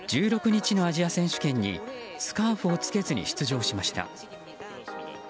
１６日のアジア選手権にスカーフを着けずに出場しました。